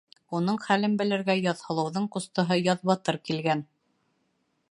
Уның хәлен белергә Яҙһылыуҙың ҡустыһы Яҙбатыр килгән.